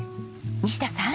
西田さん。